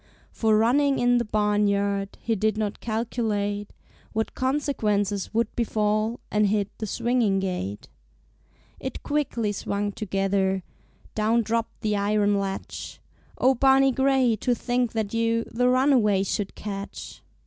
For, running in the barnyard, He did not calculate What consequences would befall, And hit the swinging gate. It quickly swung together; Down dropped the iron latch. Oh, Barney Gray, to think that you The runaway should catch!